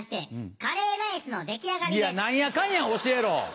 いやなんやかんや教えろ。